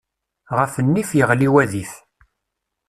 Ɣef nnif, yeɣli wadif.